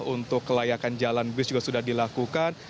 untuk kelayakan jalan bus juga sudah dilakukan